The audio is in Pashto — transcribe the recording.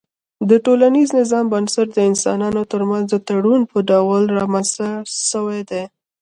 د ټولنيز نظام بنسټ د انسانانو ترمنځ د تړون په ډول رامنځته سوی دی